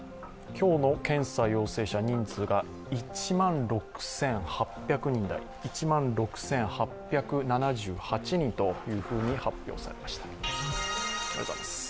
今日の検査陽性者、人数が１万６８００人台、１万６８７８人と発表されました。